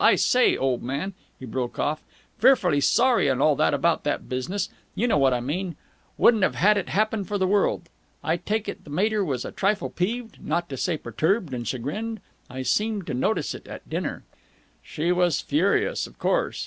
I say, old man," he broke off, "fearfully sorry and all that about that business. You know what I mean! Wouldn't have had it happen for the world. I take it the mater was a trifle peeved? Not to say perturbed and chagrined? I seemed to notice it at dinner." "She was furious, of course.